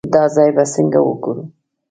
دا ځای به څنګه وګورو.